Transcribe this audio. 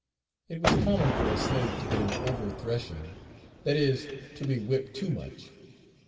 It was common for a slave to get an "over threshing," that is, to be whipped too much.